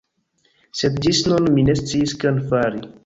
Sed ĝis nun mi ne sciis kion fari